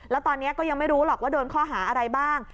แล้วตอนนี้ก็ยังไม่รู้หรอกว่าโดนข้อหาอะไรบ้าง